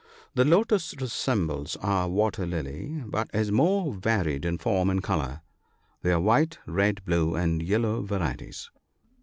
— The lotus resembles our water lily, but is more varied in form and colour. There are white, red, blue, and yellow varieties.